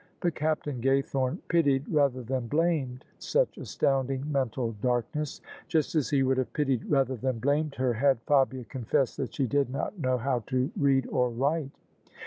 But Captain Gaythome pitied rather than blamed such astounding mental darkness; just as he would have pitied rather than blamed her had Fabia confessed that she did not know how to read or write.